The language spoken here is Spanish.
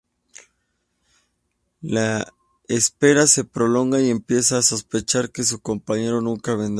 La espera se prolonga y empiezan a sospechar que su compañero nunca vendrá.